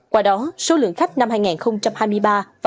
qua đó số lượng khách năm hai nghìn hai mươi ba và hai nghìn hai mươi